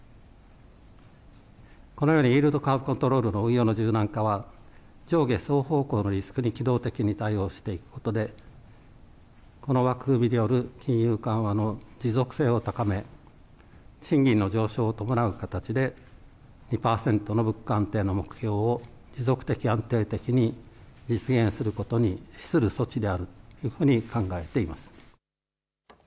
このようにイールドカーブ・コントロールの運用の柔軟化は、上下双方向のリスクに機動的に対応していくことで、この枠組みによる金融緩和の持続性を高め、賃金の上昇を伴う形で２％の物価安定の目標を持続的・安定的に実現することに資する措置であるというふうに考えています。